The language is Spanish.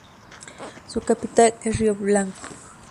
Su capital es Rio Branco.